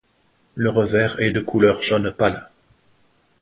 Le revers est de couleur jaune pâle.